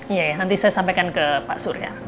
iya nanti saya sampaikan ke pak surya